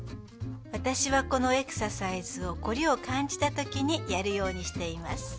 私はこのエクササイズを凝りを感じたときにやるようにしています。